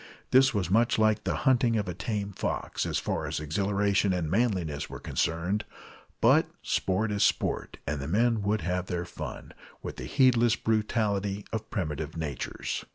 This was much like the hunting of a tame fox, as far as exhilaration and manliness were concerned; but sport is sport, and the men would have their fun, with the heedless brutality of primitive natures.